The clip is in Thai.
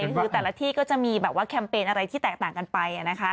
เฉพาะแต่ละที่จะมีแคมเปญอะไรที่แตกต่างไป